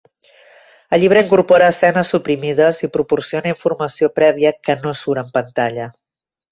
El llibre incorpora escenes suprimides i proporciona informació prèvia que no surt en pantalla.